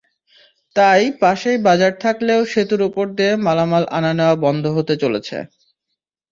তাই পাশেই বাজার থাকলেও সেতুর ওপর দিয়ে মালামাল আনা-নেওয়া বন্ধ হতে চলেছে।